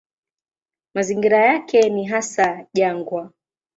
Mazingira yake ni hasa jangwa.